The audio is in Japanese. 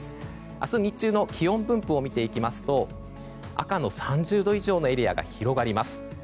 明日日中の気温分布を見ていきますと赤の３０度以上のエリアが広がります。